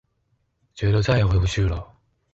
覺得再也回不去了